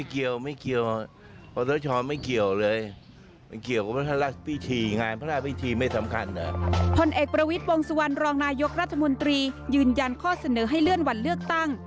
ผลเอกประวิทย์วงสุวรรณรองนายกรัฐมนตรียืนยันข้อเสนอให้เลื่อนวันเลือกตั้ง